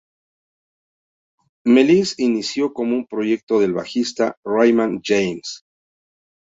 Malice inició como un proyecto del bajista Rayman James.